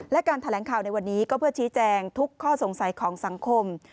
และการแถลงข่าวในวันนี้ก็เพื่อชี้แจงทุกข้อสงสัยของสังคม